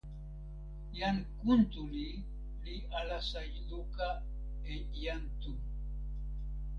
jan Kuntuli li alasa luka e jan Tu.